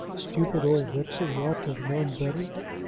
Stupid old vixen, who ought to have known better!